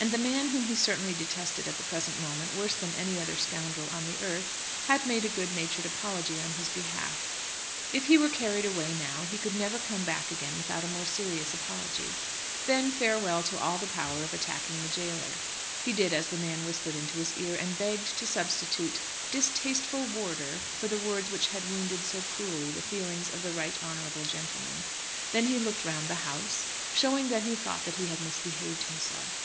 And the man whom he certainly detested at the present moment worse than any other scoundrel on the earth, had made a good natured apology on his behalf. If he were carried away now, he could never come back again without a more serious apology. Then, farewell to all power of attacking the jailer. He did as the man whispered into his ear, and begged to substitute "distasteful warder" for the words which had wounded so cruelly the feelings of the right honourable gentleman. Then he looked round the House, showing that he thought that he had misbehaved himself.